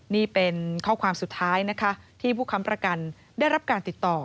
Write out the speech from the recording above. นี่เป็นข้อความสุดท้ายนะคะที่ผู้ค้ำประกันได้รับการติดต่อ